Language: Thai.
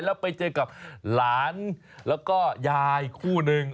แล้วไปเจอกับหลานแล้วก็ยายคู่หนึ่ง